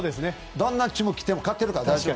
どんなチーム来ても勝てるから大丈夫。